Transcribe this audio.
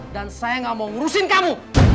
dan saya gak mau ngurusin kamu